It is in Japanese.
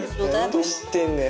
何で知ってんねん？